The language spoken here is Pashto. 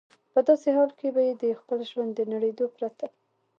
په داسې حال کې به یې د خپل ژوند د نړېدو پرته.